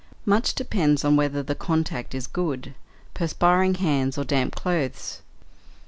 Much depends on whether the contact is good (perspiring hands or damp clothes).